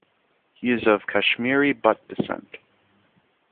He is of Kashmiri Butt descent.